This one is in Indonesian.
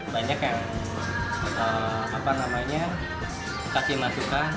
banyak ya apa namanya kasih masukan